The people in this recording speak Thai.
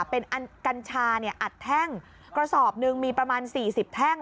เป็นกัญชาอัดแท่งกระสอบหนึ่งมีประมาณ๔๐แท่ง